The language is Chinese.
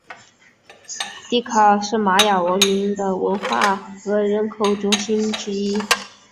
蒂卡尔是玛雅文明的文化和人口中心之一。